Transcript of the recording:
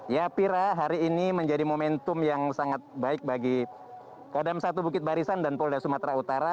ya pira hari ini menjadi momentum yang sangat baik bagi kodam satu bukit barisan dan polda sumatera utara